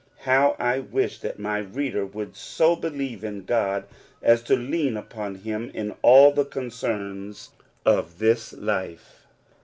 How I wish that my reader would sp believe in God as to lean upon him in all the concerns of this life